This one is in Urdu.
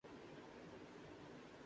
ٹام موٹا ہے